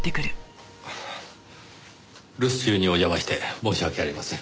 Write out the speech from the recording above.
留守中にお邪魔して申し訳ありません。